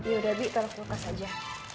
yaudah bi taruh di bekas aja